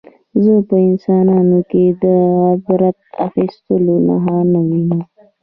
زه په انسانانو کې د عبرت اخیستلو نښه نه وینم